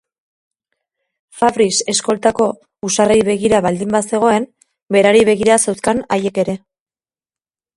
Fabrice eskoltako husarrei begira baldin bazegoen, berari begira zeuzkan haiek ere.